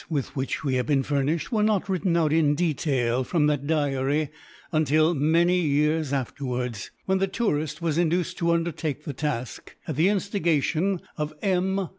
with which we have been furnished were not written out in detail, from that diary, until many years afterwards, when the tourist was induced to undertake the task, at the instigation of M.